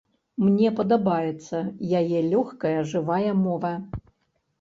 Мне падабаецца яе лёгкая, жывая мова.